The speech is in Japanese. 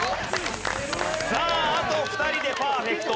さああと２人でパーフェクト。